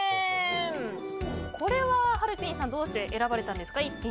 これは、はるぴんさんどうして選ばれたんですか。